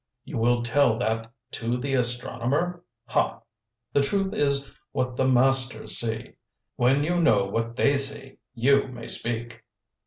You will tell that to the astronomer? Ha! The truth is what the masters see. When you know what they see, you may speak."